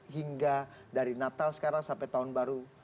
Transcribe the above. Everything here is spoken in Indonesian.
hingga dari natal sekarang sampai tahun baru